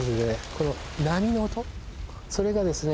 この波の音それがですね